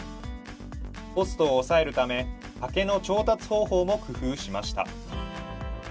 コストを抑えるため竹の調達方法も工夫しました。